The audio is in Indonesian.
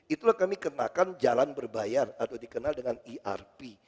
itulah kami kenakan jalan berbayar atau dikenal dengan erp